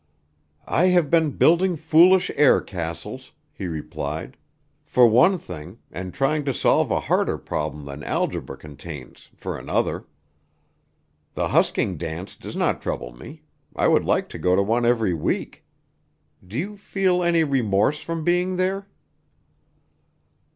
"I have been building foolish air castles," he replied, "for one thing, and trying to solve a harder problem than algebra contains, for another. The husking dance does not trouble me. I would like to go to one every week. Do you feel any remorse from being there?"